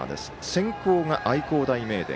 先攻が愛工大名電。